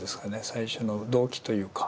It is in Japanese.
最初の動機というか。